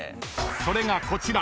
［それがこちら］